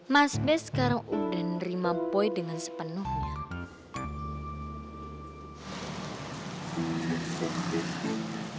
mas bes sekarang udah nerima boy dengan sepenuhnya